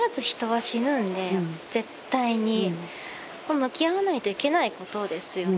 向き合わないといけないことですよね